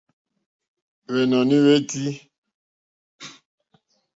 Hwènɔ̀ní hwé tʃí.